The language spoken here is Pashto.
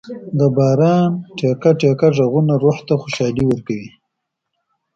د باران ټېکه ټېکه ږغونه روح ته خوشالي ورکوي.